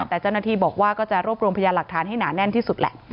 แต่เจ้าหน้าที่บอกว่าก็จะรวบรวมพยานหลักฐานให้หนาแน่นที่สุดแหละ